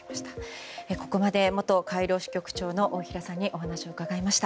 ここまで元カイロ支局長の大平さんにお話を伺いました。